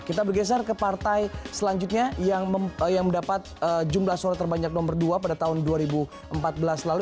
kita bergeser ke partai selanjutnya yang mendapat jumlah suara terbanyak nomor dua pada tahun dua ribu empat belas lalu